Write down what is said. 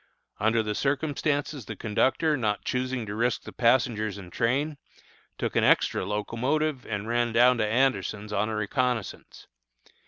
Under the circumstances the conductor, not choosing to risk the passengers and train, took an extra locomotive and ran down to Anderson's on a reconnoissance.